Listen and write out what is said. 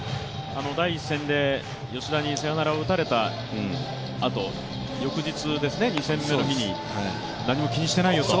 第１戦で吉田にサヨナラを打たれたあと翌日、２戦目に何も気にしていないよと。